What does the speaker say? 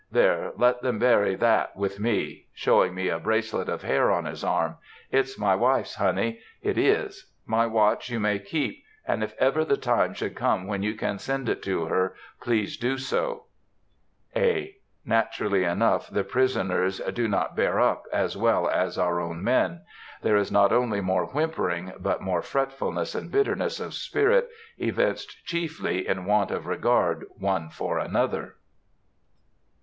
There, let them bury that with me" (showing me a bracelet of hair on his arm). "It's my wife's, honey; it is. My watch you may keep, and if ever the time should come when you can send it to her, please do so." (A.) Naturally enough, the prisoners do not "bear up" as well as our own men. There is not only more whimpering, but more fretfulness and bitterness of spirit, evinced chiefly in want of regard one for another.